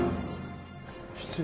失礼。